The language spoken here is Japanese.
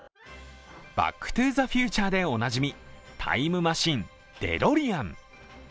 「バック・トゥ・ザ・フューチャー」でおなじみ、タイムマシン、デロリアン。